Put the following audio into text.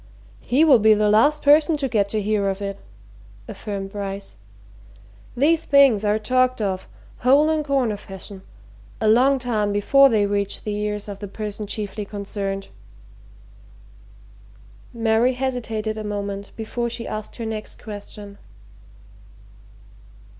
"He will be the last person to get to hear of it," affirmed Bryce. "These things are talked of, hole and corner fashion, a long time before they reach the ears of the person chiefly concerned." Mary hesitated a moment before she asked her next question.